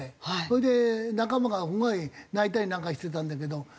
それで仲間がすごい泣いたりなんかしてたんだけど。